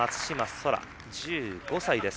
空、１５歳です。